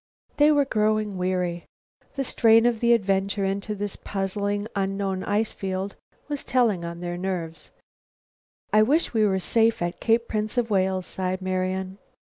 They were growing weary. The strain of the adventure into this puzzling, unknown ice field was telling on their nerves. "I wish we were safe at Cape Prince of Wales," sighed Marian.